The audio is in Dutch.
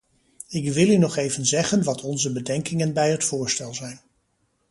Ik wil u nog even zeggen wat onze bedenkingen bij het voorstel zijn.